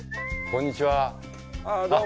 こんにちは。